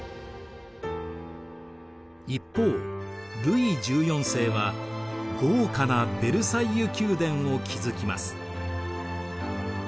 一方ルイ１４世は豪華なヴェルサイユ宮殿を築きます。